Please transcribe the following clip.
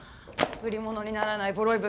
売り物にならないボロい